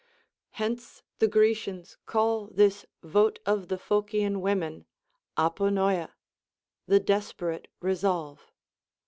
Hence the Grecians call this vote of the Phocian women Aponoia (the desperate resolve).